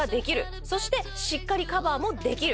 そしてしっかりカバーもできる。